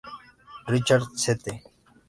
Richard St.